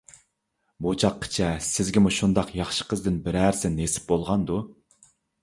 بۇ چاغقىچە سىزگىمۇ شۇنداق ياخشى قىزدىن بىرەرسى نېسىپ بولغاندۇ؟